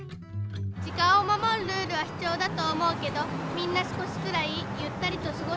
時間をまもるルールは必要だと思うけどみんな少しくらいゆったりとすごしてもいいと思う。